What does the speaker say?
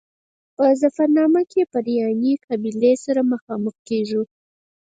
په ظفرنامه کې پرنیاني قبیلې سره مخامخ کېږو.